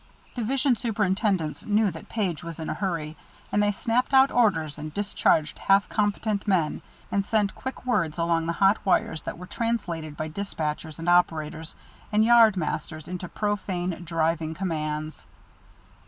Division superintendents knew that Page was in a hurry, and they snapped out orders and discharged half competent men and sent quick words along the hot wires that were translated by despatchers and operators and yard masters into profane, driving commands.